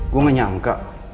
gua gak nyangka